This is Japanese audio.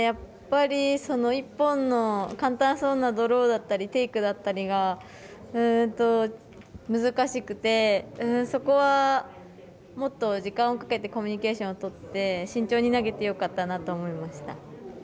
１本の簡単そうなドローだったりテイクだったりが難しくてそこはもっと時間をかけてコミュニケーションをとって慎重に投げてよかったなと思いました。